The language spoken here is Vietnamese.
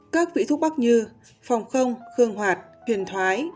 các vị thuốc bắc như phòng không khương hoạt huyền thoái